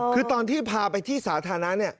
คือตอนที่พาไปที่สาธารณะเนี่ย